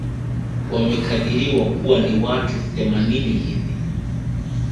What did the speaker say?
Wamekadiriwa kuwa ni watu themanini hivi